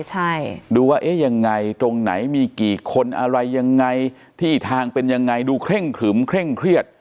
ใช่ดูว่าเอ๊ะยังไงตรงไหนมีกี่คนอะไรยังไงที่ทางเป็นยังไงดูเคร่งขึมเคร่งเครียด